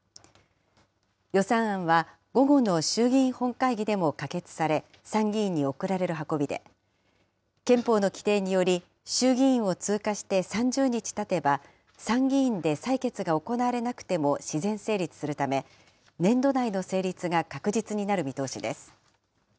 予算案は、午後の衆議院本会議でも可決され、参議院に送られる運びで、憲法の規定により、衆議院を通過して３０日たてば、参議院で採決が行われなくても自然成立するため、年度内の成立が確実になる見通しです。